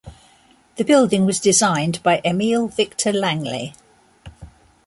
The building was designed by Emil Victor Langlet.